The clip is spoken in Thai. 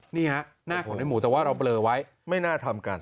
นี่ฮะหน้าของในหมูแต่ว่าเราเบลอไว้ไม่น่าทำกัน